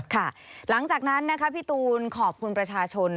หลังจากนั้นนะคะพี่ตูนขอบคุณประชาชน